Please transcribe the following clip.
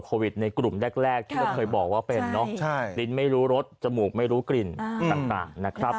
ในกลุ่มแรกที่เราเคยบอกว่าเป็นเนาะลิ้นไม่รู้รสจมูกไม่รู้กลิ่นต่างนะครับ